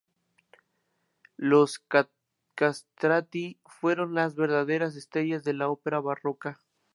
Los castrati fueron las verdaderas estrellas de la ópera barroca.